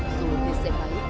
dùng điện xe máy bỏ trốn